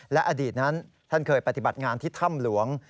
และอดีตนั้นท่านเคยปฏิบัติงานที่ถ้ำหลวง